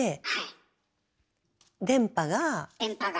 電波が。